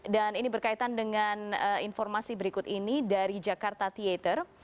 dan ini berkaitan dengan informasi berikut ini dari jakarta theater